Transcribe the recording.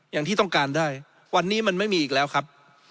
อย่างที่ต้องการได้วันนี้มันไม่มีอีกแล้วครับ